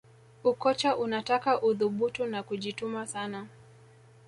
ukocha unataka uthubutu na kujituma sana